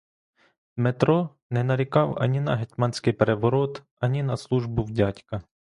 Дмитро не нарікав ані на гетьманський переворот, ані на службу в дядька.